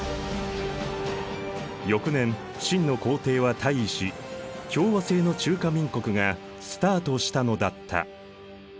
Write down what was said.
翌年清の皇帝は退位し共和政の中華民国がスタートしたのだった。